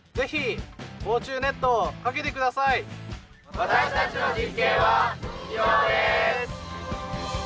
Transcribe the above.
私たちの実験は以上です！